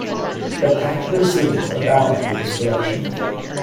Spectacular scenes abound in this production.